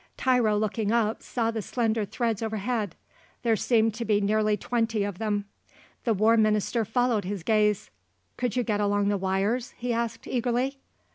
Tiro, looking up, saw the slender threads overhead; there seemed to be nearly twenty of them. The War Minister followed his gaze. "Could you get along the wires?" he asked eagerly.